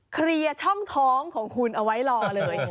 เคลียร์ช่องท้องของคุณเอาไว้รอเลย